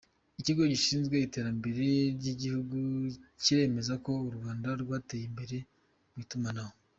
Ikigo gishinzwe iterambere ryigihugu kiremeza ko u Rwanda rwateye imbere mwitumanaho